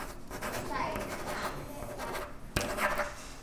ใส่หน้ากากด้วยครับ